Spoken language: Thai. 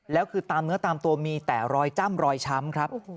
แล้วคือตามเนื้อตามตัวมีแต่รอยจ้ำรอยช้ำครับ